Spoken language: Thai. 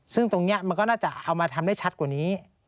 ซึ่งตรงนี้มันก็น่าจะเอามาทำได้ชัดกว่านี้